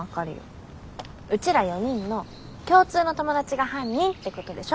うちら４人の共通の友達が犯人ってことでしょ。